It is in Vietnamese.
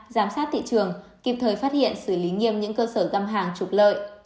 giám sát thị trường kịp thời phát hiện xử lý nghiêm những cơ sở găm hàng trục lợi